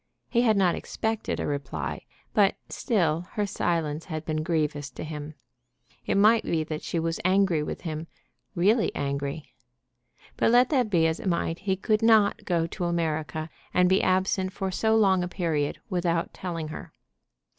He had not expected a reply; but still her silence had been grievous to him. It might be that she was angry with him, really angry. But let that be as it might, he could not go to America, and be absent for so long a period, without telling her.